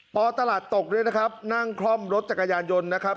ตลาดตกด้วยนะครับนั่งคล่อมรถจักรยานยนต์นะครับ